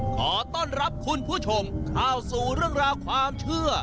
ขอต้อนรับคุณผู้ชมเข้าสู่เรื่องราวความเชื่อ